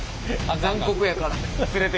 残酷やから。